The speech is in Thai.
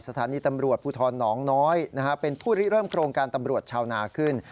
สถานีตำรวจภูทรหนองน้อยเป็นผู้ริเริ่มโครงการตำรวจชาวนาขึ้น